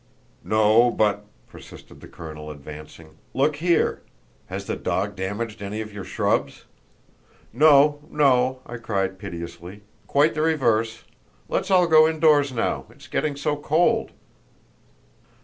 "No; but," persisted the colonel, advancing, "look here! Has the dog damaged any of your shrubs?" "No, no!" I cried, piteously; "quite the reverse. Let's all go indoors now; it's getting so cold!"